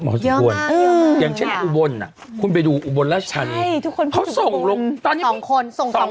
มากอย่างติดลงอ่ะทุกคนเขาส่องลง๒คน๒คนส่องคนทั้ง